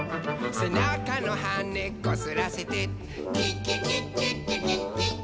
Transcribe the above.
「せなかのはねこすらせて」「キッキキッキッキキッキッキ」